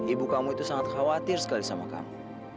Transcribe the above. ibu kamu itu sangat khawatir sekali sama kamu